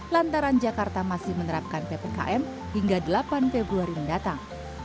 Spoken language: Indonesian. lantaran jakarta masih menerapkan ppkm hingga delapan februari mendatang